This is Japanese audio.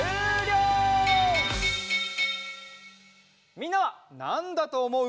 みんなはなんだとおもう？